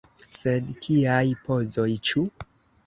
Sed kiaj pozoj, ĉu?